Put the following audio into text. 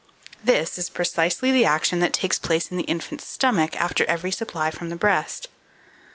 This is precisely the action that takes place in the infant's stomach after every supply from the breast.